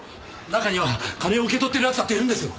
中には金を受け取ってる奴だっているんですよ。